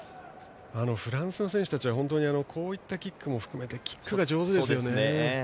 フランスの選手たちは本当にこういったキックも含めてキックが上手ですね。